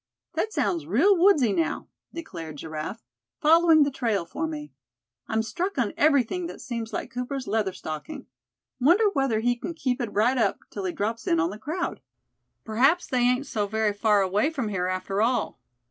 "That sounds real woodsy now," declared Giraffe. "Following the trail for me. I'm struck on everything that seems like Cooper's Leatherstocking. Wonder whether he c'n keep it right up till he drops in on the crowd? P'raps they ain't so very far away from here, after all."